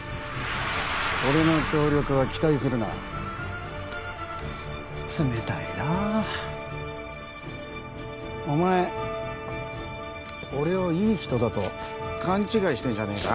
俺の協力は期待するな冷たいなお前俺をいい人だと勘違いしてんじゃねえか？